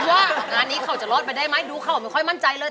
ว่างานนี้เขาจะรอดไปได้ไหมดูเขาไม่ค่อยมั่นใจเลย